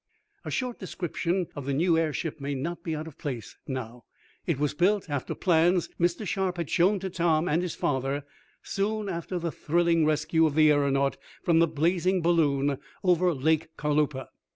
A short description of the new airship may not be out of place now. It was built after plans Mr. Sharp had shown to Tom and his father soon after the thrilling rescue of the aeronaut from the blazing balloon over Lake Carlopa.